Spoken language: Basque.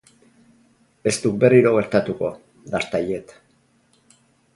Ez duk berriro gertatuko, Dartaiet.